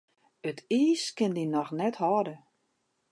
It iis kin dy noch net hâlde.